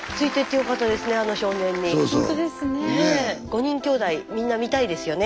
５人きょうだいみんな見たいですよね。